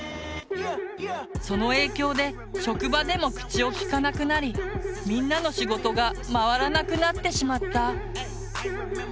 その影響で職場でも口を利かなくなりみんなの仕事が回らなくなってしまった。